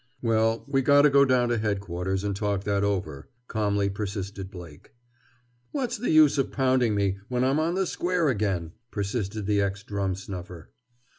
"Well, we got 'o go down to Headquarters and talk that over," calmly persisted Blake. "What's the use of pounding me, when I'm on the square again?" persisted the ex drum snuffer.